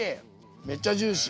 めっちゃジューシー。